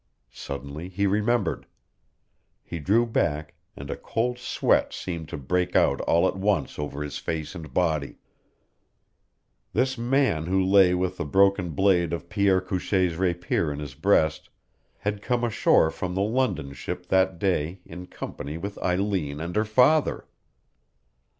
Suddenly he remembered. He drew back, and a cold sweat seemed to break out all at once over his face and body. This man who lay with the broken blade of Pierre Couchee's rapier in his breast had come ashore from the London ship that day in company with Eileen and her father!